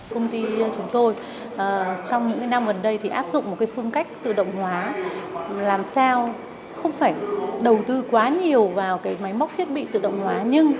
công ty chúng tôi trong những năm gần đây thì áp dụng một cái phương cách tự động hóa làm sao không phải đầu tư quá nhiều vào cái máy móc thiết bị tự động hóa nhưng